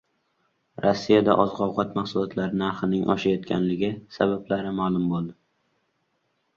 Rossiyada oziq-ovqat mahsulotlari narxining oshayotganligi sabablari ma’lum qilindi